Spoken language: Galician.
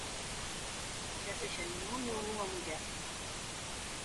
Xa sexa nun home ou nunha muller.